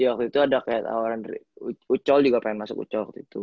waktu itu ada kayak tawaran ucol juga pengen masuk ucol waktu itu